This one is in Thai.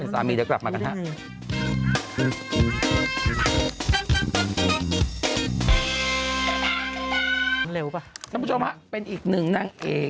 น้ำผู้ชมเป็นอีกหนึ่งนางเอก